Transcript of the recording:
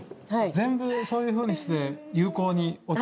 全部そういうふうにして有効にお使いになってるんですね。